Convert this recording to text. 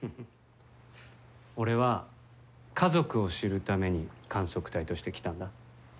俺は、家族を知るために観測隊として来たんだ。